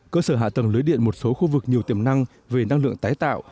cơ sở hạ tầng lưới điện một số khu vực nhiều tiềm năng về năng lượng tái tạo